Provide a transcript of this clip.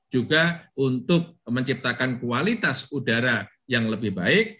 juga untuk menciptakan kualitas udara yang lebih baik